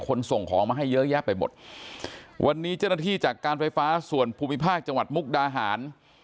ส่งของมาให้เยอะแยะไปหมดวันนี้เจ้าหน้าที่จากการไฟฟ้าส่วนภูมิภาคจังหวัดมุกดาหาร